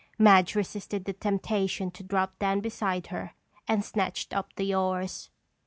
Madge resisted the temptation to drop down beside her and snatched up the oars.